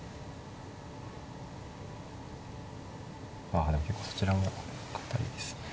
あでも結構そちらも堅いですね。